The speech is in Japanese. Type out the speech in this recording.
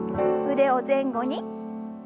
腕を前後に。